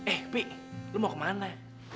eh pik lo mau kemana